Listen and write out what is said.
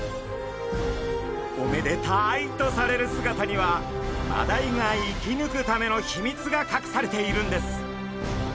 おめでタイとされる姿にはマダイが生きぬくためのひみつがかくされているんです。